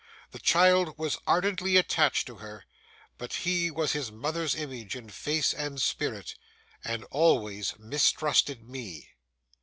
The child was ardently attached to her; but he was his mother's image in face and spirit, and always mistrusted me.